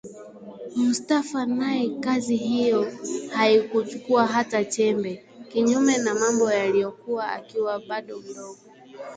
Mustafa naye kazi hiyo hakuichukua hata chembe, kinyume na mambo yalivyokuwa akiwa bado mdogo